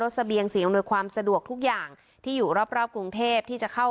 แล้วสะเบียงเสียงบันดาลความสะดวกทุกอย่างที่อยู่รอบกรุงเทพที่จะเข้า